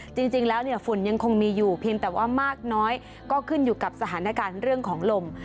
จริงแล้วฝุ่นยังคงมีอยู่เพียงแต่ว่ามากน้อยก็ขึ้นอยู่กับสถานการณ์เรื่องของลม